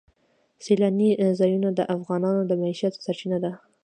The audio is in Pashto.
سیلانی ځایونه د افغانانو د معیشت سرچینه ده.